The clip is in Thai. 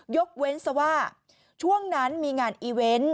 ยกเว้นซะว่าช่วงนั้นมีงานอีเวนต์